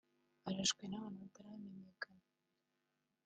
arashwe n'abantu bataramenyekana